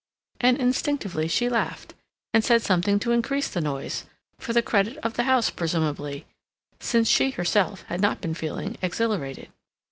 and instinctively she laughed, and said something to increase the noise, for the credit of the house presumably, since she herself had not been feeling exhilarated.